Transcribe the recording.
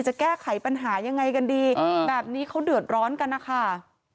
จะแก้ไขปัญหายังไงกันดีแบบนี้เขาเดือดร้อนกันนะคะ